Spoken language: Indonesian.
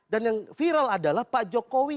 dan yang viral adalah pak jokowi